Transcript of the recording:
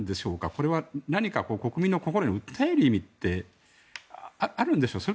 これは何か国民の心に訴える意味ってあるんでしょうか。